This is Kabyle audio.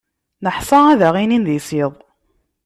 Neḥṣa ad aɣ-inin d isiḍ.